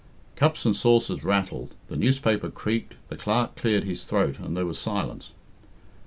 Cups and saucers rattled, the newspaper creaked, the Clerk cleared his throat, and there was silence.